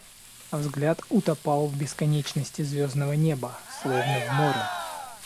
Взгляд утопал в бесконечности звездного неба, словно в море.